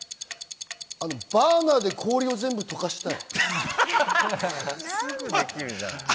バーナーで氷を全部溶かしたい。